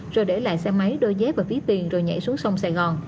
rồi để lại xe máy đôi giáp vào phía tiền rồi nhảy xuống sông sài gòn